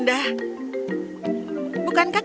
dia suka menjemputniek